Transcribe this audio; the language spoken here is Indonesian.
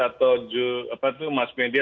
atau mass media